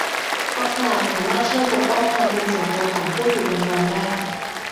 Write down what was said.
กองสลากสามารถช่วยปกป้องความเป็นส่วนตัวของผู้ถูกรางวัลได้.